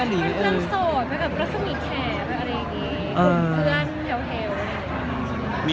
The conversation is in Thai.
สงสัยมีถ้าเจ็บได้ไม่ใจ